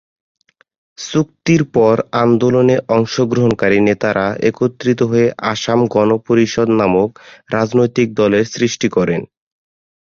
চুক্তির পর আন্দোলনে অংশগ্রহণকারী নেতারা একত্রিত হয়ে আসাম গণ পরিষদ নামক রাজনৈতিক দলের সৃষ্টি করেন।